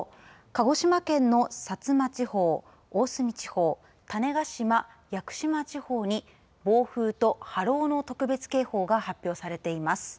鹿児島県の薩摩地方大隅地方、種子島、屋久島地方に暴風と波浪の特別警報が発表されています。